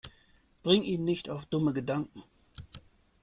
Bring ihn nicht auf dumme Gedanken!